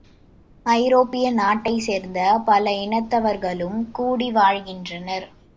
ஐரோப்பிய நாட்டைச் சேர்ந்த பல இனத்தவர்களும் கூடி வாழ்கின்றனர்!